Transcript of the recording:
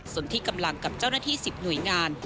ส่วนที่กำลังกับเจ้าหน้าที่๑๐หน่วยงาน